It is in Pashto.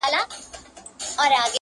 په غونډه کي ولوستل سو وه.